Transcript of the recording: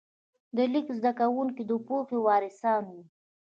د لیک زده کوونکي د پوهې وارثان وو.